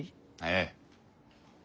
ええ。